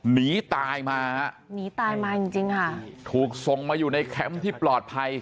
หนีตายมาฮะหนีตายมาจริงจริงค่ะถูกส่งมาอยู่ในแคมป์ที่ปลอดภัย